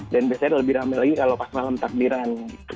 dan biasanya lebih ramai lagi kalau pas malam takdiran gitu